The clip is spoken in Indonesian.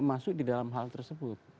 masuk di dalam hal tersebut